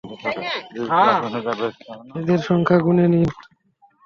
এদের সংখ্যা গুণে নিন।